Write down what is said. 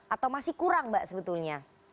atau masih kurang mbak sebetulnya